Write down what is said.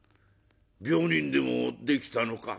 病人でもできたのか？」。